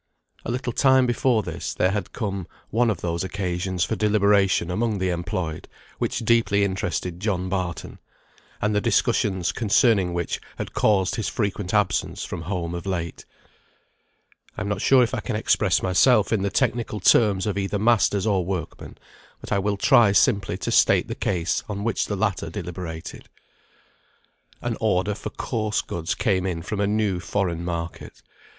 A little time before this, there had come one of those occasions for deliberation among the employed, which deeply interested John Barton; and the discussions concerning which had caused his frequent absence from home of late. I am not sure if I can express myself in the technical terms of either masters or workmen, but I will try simply to state the case on which the latter deliberated. An order for coarse goods came in from a new foreign market.